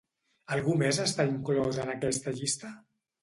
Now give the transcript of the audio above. Algú més està inclòs en aquesta llista?